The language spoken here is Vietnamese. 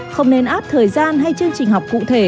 không nên áp thời gian hay chương trình học cụ thể